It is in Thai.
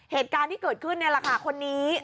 เหตุการณ์ที่เกิดขึ้นนี่แหละค่ะคนนี้